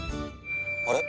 あれ？